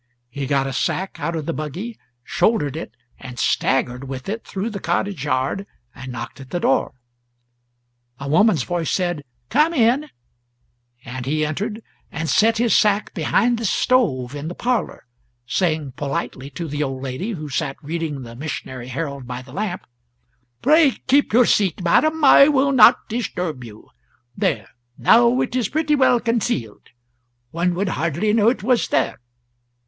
He got a sack out of the buggy, shouldered it, and staggered with it through the cottage yard, and knocked at the door. A woman's voice said "Come in," and he entered, and set his sack behind the stove in the parlour, saying politely to the old lady who sat reading the "Missionary Herald" by the lamp: "Pray keep your seat, madam, I will not disturb you. There now it is pretty well concealed; one would hardly know it was there.